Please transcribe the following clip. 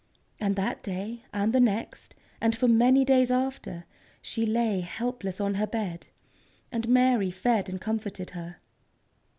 And that day, and the next, and for many days after, she lay helpless on her bed, and Mary fed and comforted her.